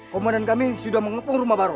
komandan kami sudah mengepung rumah baru